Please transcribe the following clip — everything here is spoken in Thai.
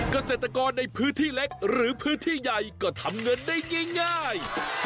เกษตรกรในพื้นที่เล็กหรือพื้นที่ใหญ่ก็ทำเงินได้ง่าย